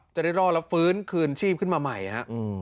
จะได้รอดแล้วฟื้นคืนชีพขึ้นมาใหม่ฮะ